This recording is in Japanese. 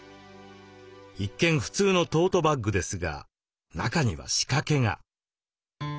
一見普通のトートバッグですが中には仕掛けが。